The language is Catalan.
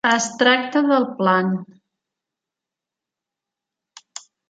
Es tracta del plan.